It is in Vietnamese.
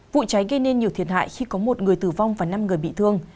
vụ cháy gây nên nhiều thiệt hại khi có một người tử vong và năm người bị thương